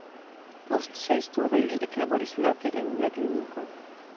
Post siaj studoj li eklaboris loke en la kliniko.